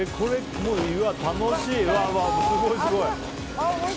楽しい、すごいすごい。